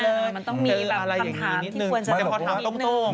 มันต้องมีแบบปัญหาที่ควรเสร็จ